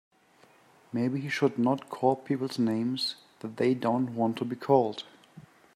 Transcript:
Maybe he should not call people names that they don't want to be called.